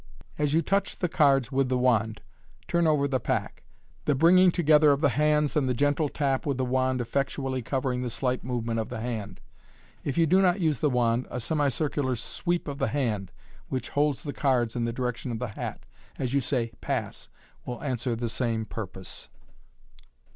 As you touch the cards with the wand, turn over the pack (see page 37), the bringing together of the hands and the gentle tap with the wand effectually covering the slight movement of the hand. If you do not use the wand, a semi circular sweep of the hand which holds the cards in the direction of the hat, as you say " Pass," will answer the same purpose.